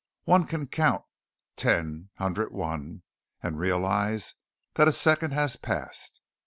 One can count "Ten Hundred One" and realize that a second has passed.